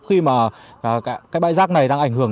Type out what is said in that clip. khi mà cái bãi rác này đang ảnh hưởng